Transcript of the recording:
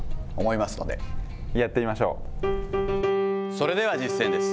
それでは実践です。